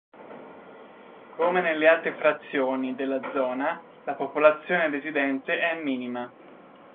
Come nelle altre frazioni della zona la popolazione residente è minima.